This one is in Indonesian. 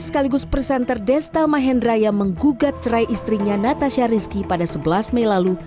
sekaligus presenter desta mahendraya menggugat cerai istrinya natasha rizky pada sebelas mei lalu